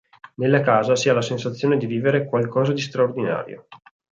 Nella casa si ha la sensazione di vivere qualcosa di straordinario.